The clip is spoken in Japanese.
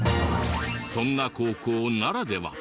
そんな高校ならでは。